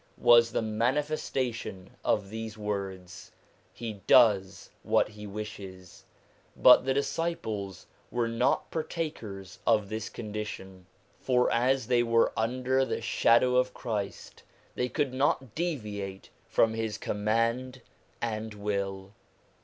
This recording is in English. was the manifestation of these words, 'He does what He wishes/ but the disciples were not partakers of this condition ; for as they were under the shadow of Christ, they could not deviate from his command and will.